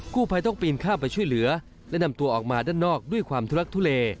ผู้ภัยต้องปีนข้ามไปช่วยเหลือและนำตัวออกมาด้านนอกด้วยความทุลักทุเล